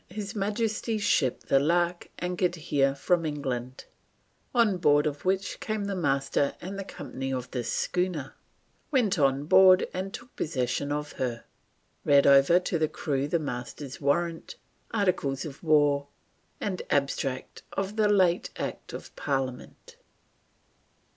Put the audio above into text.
His Majesty's Ship the Lark anchored here from England, on board of which came the Master and the company of this Schooner. Went on board and took possession of Her. Read over to the crew the Master's Warrant, Articles of War, and Abstract of the late Act of Parliament."